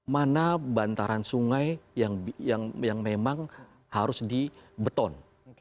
mana bantaran sungai yang memang harus di beton